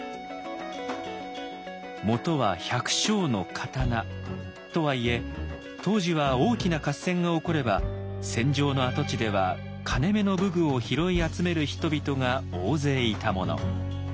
もとは百姓の刀とはいえ当時は大きな合戦が起これば戦場の跡地では金めの武具を拾い集める人々が大勢いたもの。